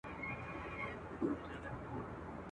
ستا له پوره به مي کور کله خلاصېږي.